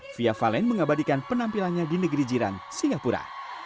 fia valen mengabadikan penampilannya di negeri jiran singapura